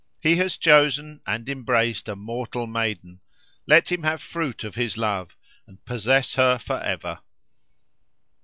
He has chosen and embraced a mortal maiden. Let him have fruit of his love, and possess her for ever."